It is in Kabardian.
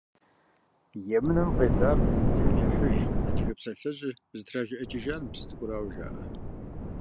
«Емынэм къелар хъумбылейм ехьыж» адыгэ псалъэжьыр зытражыӀыкӀыжар мы псы цӀыкӀурауэ жаӀэ.